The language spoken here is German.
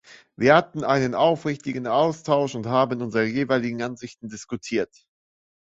Wir hatten einen aufrichtigen Austausch und haben unsere jeweiligen Ansichten diskutiert.